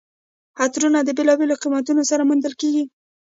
عطرونه د بېلابېلو قیمتونو سره موندل کیږي.